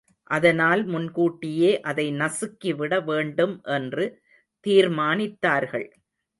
அதனால் முன் கூட்டியே அதை நசுக்கி விட வேண்டும் என்று தீர்மானித்தார்கள்.